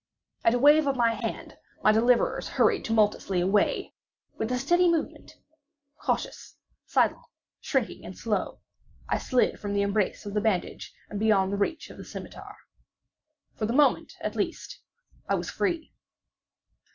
At a wave of my hand my deliverers hurried tumultuously away. With a steady movement—cautious, sidelong, shrinking, and slow—I slid from the embrace of the bandage and beyond the reach of the scimitar. For the moment, at least, I was free.